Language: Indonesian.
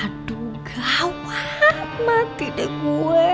aduh gawat mati deh gue